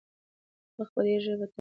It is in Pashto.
وخت به ډېر ژر په ټپه ودرېږي.